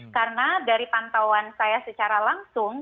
karena dari pantauan saya secara langsung